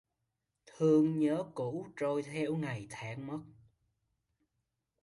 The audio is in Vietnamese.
Thương nhớ cũ trôi theo ngày tháng mất